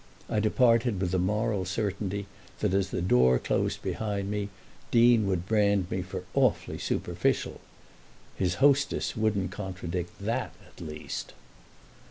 I departed with the moral certainty that as the door closed behind me Deane would brand me for awfully superficial. His hostess wouldn't contradict that at least.